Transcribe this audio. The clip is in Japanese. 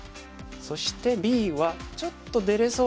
そしてＢは「ちょっと出れそうにないな。